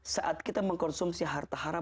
saat kita mengkonsumsi harta haram